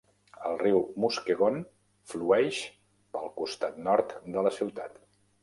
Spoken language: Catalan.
El riu Muskegon flueix pel costat nord de la ciutat.